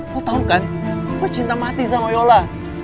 lo tau kan gue cinta mati sama yola